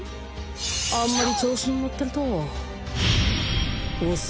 あんまり調子に乗ってるとギョッ！